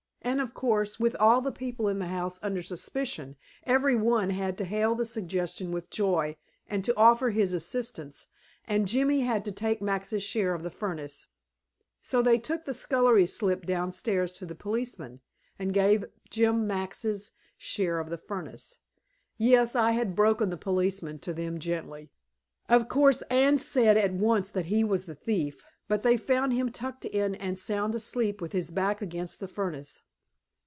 And of course, with all the people in the house under suspicion, every one had to hail the suggestion with joy, and to offer his assistance, and Jimmy had to take Max's share of the furnace. So they took the scullery slip downstairs to the policeman, and gave Jim Max's share of the furnace. (Yes, I had broken the policeman to them gently. Of course, Anne said at once that he was the thief, but they found him tucked in and sound asleep with his back against the furnace.)